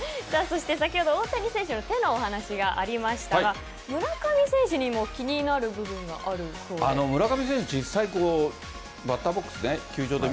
そして先ほど、大谷選手の手のお話がありましたが村上選手にも気になる部分があるそうで。